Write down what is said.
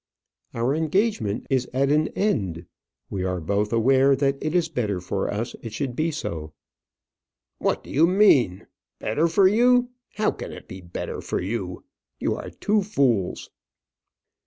"Our engagement is at an end. We are both aware that it is better for us it should be so." "What do you mean? Better for you! How can it be better for you? You are two fools."